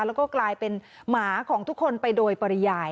แล้วก็กลายเป็นหมาของทุกคนไปโดยปริยาย